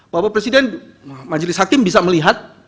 bapak presiden majelis hakim bisa melihat